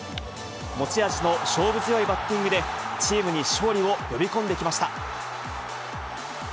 持ち味の勝負強いバッティングで、チームに勝利を呼び込んできました。